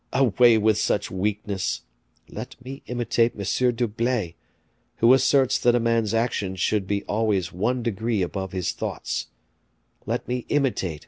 Away with such weakness; let me imitate M. d'Herblay, who asserts that a man's action should be always one degree above his thoughts; let me imitate M.